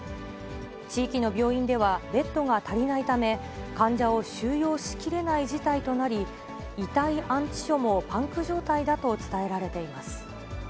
地域の病院ではベッドが足りないため、患者を収容しきれない事態となり、遺体安置所もパンク状態だと伝えられています。